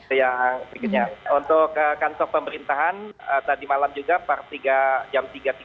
sehingga untuk kantor pemerintahan tadi malam juga part tiga jam dua